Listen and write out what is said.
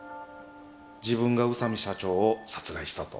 「自分が宇佐美社長を殺害したと」